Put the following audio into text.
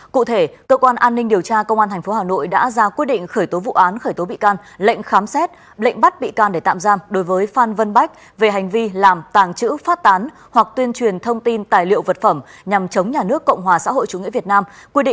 phan vân bách sinh năm hai nghìn năm chố tại phường trung tự quận đống đa tp hà nội vừa bị cơ quan an ninh điều tra công an tp hà nội ra quyết định khởi tố về hành vi làm tàng chữ phát tán hoặc tuyên truyền thông tin tài liệu vật phẩm nhằm chống nhà nước cộng hòa xã hội chủ nghĩa việt nam